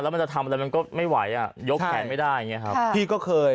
มันจะทำอะไรมันก็ไม่ไหวอ่ะยกแขนไม่ได้อย่างเงี้ครับพี่ก็เคย